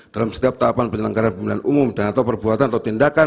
dalam setiap tahapan penyelenggaraan pemilihan umum dan atau perbuatan atau tindakan